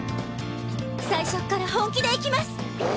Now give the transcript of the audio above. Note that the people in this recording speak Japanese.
最初っから本気でいきます！